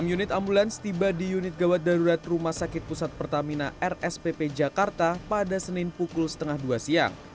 enam unit ambulans tiba di unit gawat darurat rumah sakit pusat pertamina rspp jakarta pada senin pukul setengah dua siang